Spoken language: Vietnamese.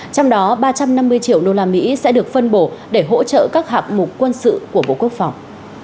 trong đó ba trăm năm mươi triệu đô la mỹ sẽ được phân bổ để hỗ trợ các hạng mục quân sự của bộ quốc phòng